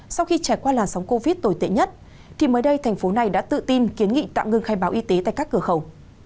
sau khi trải qua làn sóng covid tồi tệ nhất thì mới đây thành phố này đã tự tin kiến nghị tạm ngưng khai báo y tế tại các cửa khẩu